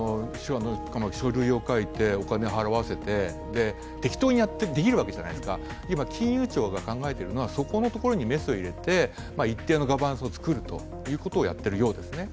書類を書いてお金を払わせて適当にやってできるじゃないですか、今、金融庁が考えているのはそこにメスを入れて一定のガバナンスを作るということをやっているようですね。